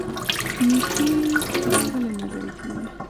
نیکي هیڅکله نه ضایع کیږي.